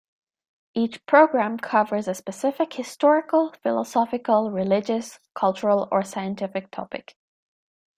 Each programme covers a specific historical, philosophical, religious, cultural or scientific topic.